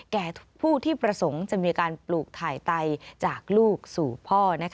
แก่ผู้ที่ประสงค์จะมีการปลูกถ่ายไตจากลูกสู่พ่อ